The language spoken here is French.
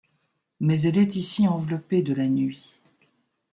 Mais elle est ici enveloppée de la nuit.